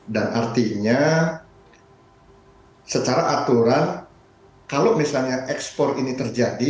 dan artinya secara aturan kalau misalnya ekspor ini terjadi